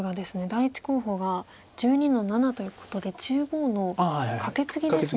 第１候補が１２の七ということで中央のカケツギですね。